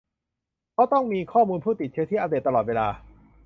เพราะต้องมีข้อมูลผู้ติดเชื้อที่อัปเดตตลอดเวลา